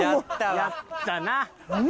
やったな。